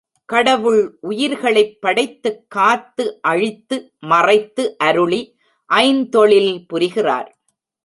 கடவுள் உயிர்களைப் படைத்துக் காத்து அழித்து மறைத்து அருளி ஐந்தொழில் புரிகிறார்.